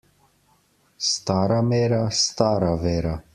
Stara mera, stara vera.